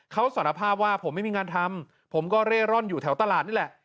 เขาสารภาพว่าผมไม่มีงานทำผมก็เร่ร่อนอยู่แถวตลาดนี่แหละ